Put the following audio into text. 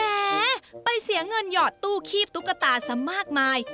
แหมไปเสียเงินหยอดตู้คีบตุ๊กตาซะมากมาย